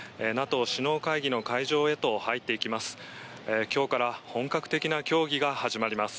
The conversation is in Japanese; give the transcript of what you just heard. ＮＡＴＯ首脳会議の会場へと入っていきます。